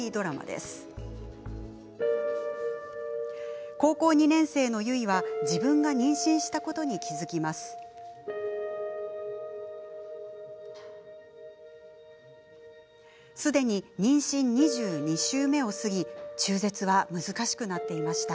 すでに妊娠２２週目を過ぎ中絶は難しくなっていました。